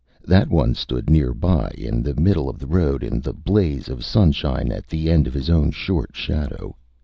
That one stood nearly in the middle of the road in the blaze of sunshine at the end of his own short shadow.